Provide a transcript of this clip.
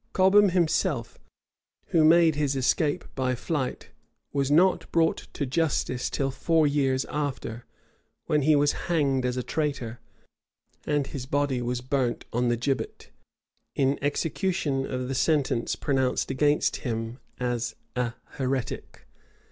[] Cobham himself, who made his escape by flight, was not brought to justice till four years after; when he was hanged as a traitor; and his body was burnt on the gibbet, in execution of the sentence pronounced against him as a heretic.